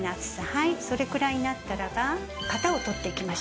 はいそれくらいになったらば型を取っていきましょう。